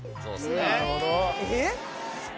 えっ？